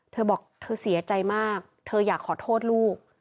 เธอบอกเธอเสียใจมากเธออยากขอโทษลูก